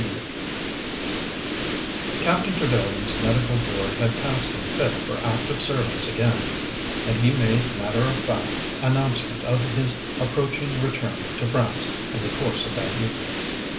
XVIII Captain Trevellyan's Medical Board had passed him fit for active service again, and he made matter of fact announcement of his approaching return to France in the course of that evening.